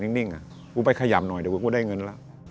นิ่งกูไปขยับหน่อยเดี๋ยวกูกูได้เงินแล้ว